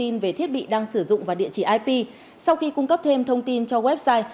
nếu không cấp thêm thông tin cho website